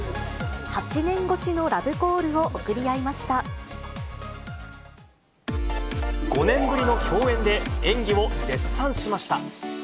８年越しのラブコールを送り５年ぶりの共演で演技を絶賛しました。